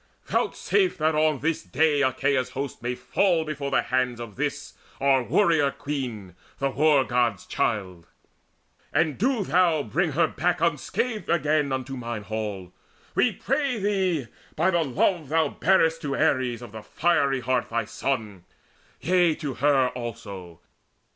Vouchsafe that on this day Achaea's host may fall before the hands Of this our warrior queen, the War god's child; And do thou bring her back unscathed again Unto mine halls: we pray thee by the love Thou bear'st to Ares of the fiery heart Thy son, yea, to her also!